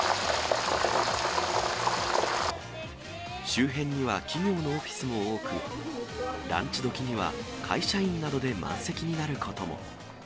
周辺には企業のオフィスも多く、ランチ時には、会社員などで満席になることも。